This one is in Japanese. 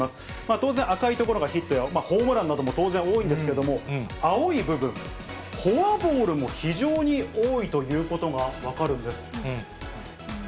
当然、赤い所がヒットや、ホームランなんかも当然多いんですけれども、青い部分、フォアボールも非常に多いということも分かるんです。